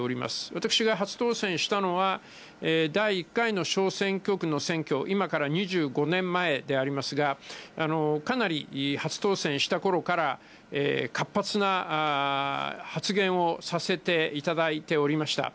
私が初当選したのは、第１回の小選挙区の選挙、今から２５年前でありますが、かなり初当選したころから、活発な発言をさせていただいておりました。